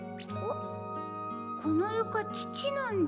このゆかつちなんだ。